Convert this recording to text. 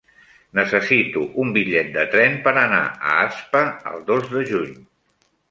Necessito un bitllet de tren per anar a Aspa el dos de juny.